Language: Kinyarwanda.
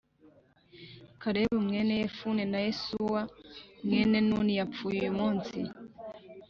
Kalebu mwene Yefune na Yosuwa mwene Nuni yapfuye uyumunsi